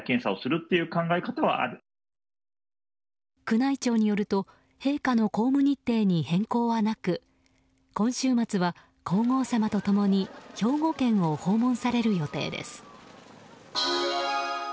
宮内庁によると陛下の公務日程に変更はなく今週末は皇后さまと共に兵庫県を訪問される予定です。